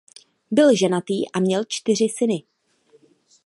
Byl ženatý a měl čtyři syny.